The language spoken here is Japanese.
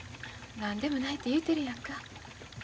何でもないて言うてるやんか。